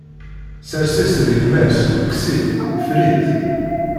Sser-is d yemma-s, kkes-itt, ffer-itt!